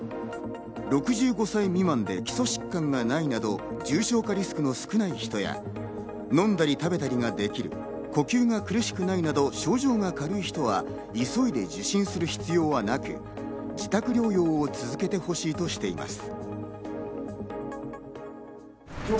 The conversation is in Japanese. ６５歳未満で基礎疾患がないなど、重症化リスクの少ない人や飲んだり食べたりができる、呼吸が苦しくないなど症状が軽い人は急いで受診する必要はなく、自宅療養を続けてほしいとしています。